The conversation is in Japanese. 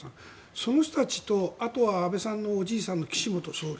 その人たちとあとは安倍さんのおじいさんの岸元総理。